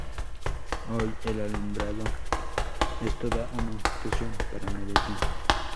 Hoy, el Alumbrado es toda una institución para Medellín.